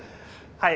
はい。